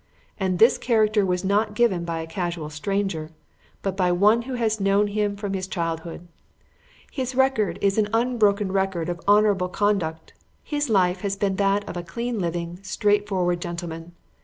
And this character was not given by a casual stranger, but by one who has known him from childhood. His record is an unbroken record of honourable conduct; his life has been that of a clean living, straightforward gentleman.